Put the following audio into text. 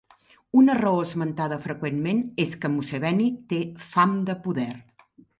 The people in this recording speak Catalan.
Una raó esmentada freqüentment és que Museveni té "fam de poder".